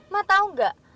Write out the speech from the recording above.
ma tau gak